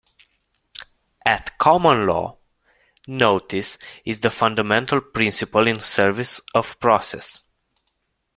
At common law, notice is the fundamental principle in service of process.